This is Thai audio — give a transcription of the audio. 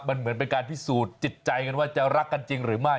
มันเหมือนเป็นการพิสูจน์จิตใจกันว่าจะรักกันจริงหรือไม่